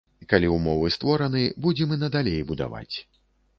Калі ўмовы створаны, будзем і надалей будаваць.